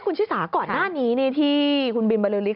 คุณชิสาก่อนหน้านี้ที่คุณบินบริษฐ